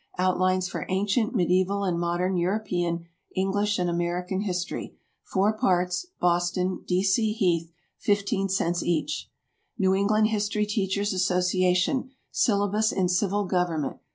"Outlines for Ancient, Medieval and Modern European, English and American History," four parts. Boston, D. C. Heath. 15 cents each. NEW ENGLAND HISTORY TEACHERS' ASSOCIATION. "Syllabus in Civil Government."